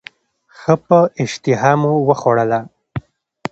ښه په اشتهامو وخوړله.